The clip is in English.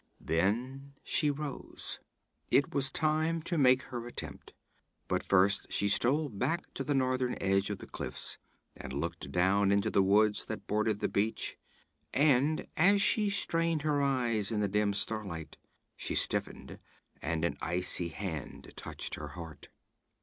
Then she rose. It was time to make her attempt. But first she stole back to the northern edge of the cliffs, and looked down into the woods that bordered the beach. And as she strained her eyes in the dim starlight, she stiffened, and an icy hand touched her heart.